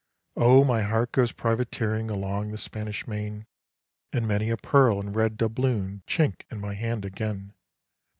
Oh, my heart goes privateering along the Spanish Main, And many a pearl and red doubloon chink in my hand again.